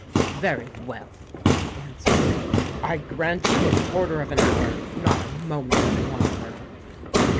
' Very well,' he answered, ' I grant you a quarter of an hour, not a moment longer.'